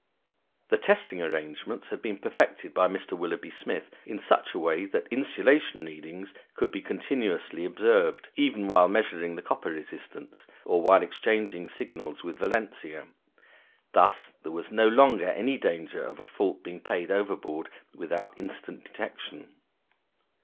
] The testing arrangements had been perfected by Mr. Willoughby Smith in such a way that insulation readings could be continuously observed, even while measuring the copper resistance, or while exchanging signals with Valentia. Thus there was no longer any danger of a fault being paid overboard without instant detection.